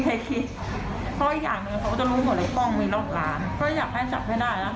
คือคือทำร้ายร่างกายเขาก็เลิกกันแน่แบกแบบนี้